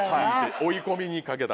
追い込みに賭けた。